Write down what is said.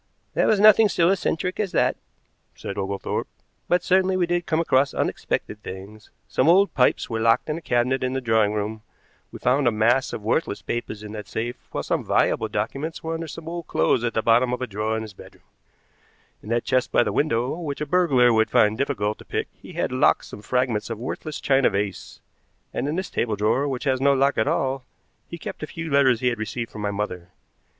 "There was nothing so eccentric as that," said Oglethorpe, "but certainly we did come across unexpected things. Some old pipes were locked in a cabinet in the drawing room. We found a mass of worthless papers in that safe, while some valuable documents were under some old clothes at the bottom of a drawer in his bedroom. In that chest by the window, which a burglar would find difficult to pick, he had locked some fragments of a worthless china vase, and in this table drawer, which has no lock at all, he kept the few letters he had received from my mother.